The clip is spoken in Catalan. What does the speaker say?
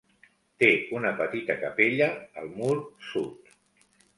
Té una petita capella al mur sud.